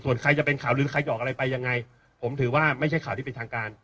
ส่วนใครจะเป็นข่าวลือใครหอกอะไรไปยังไงผมถือว่าไม่ใช่ข่าวที่เป็นทางการ